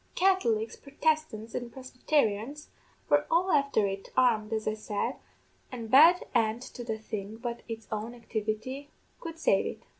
Catholics, Prodestants, an' Prosbytarians, were all afther it, armed, as I said, an' bad end to the thing but its own activity could save it.